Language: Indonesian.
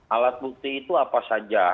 alat bukti itu apa saja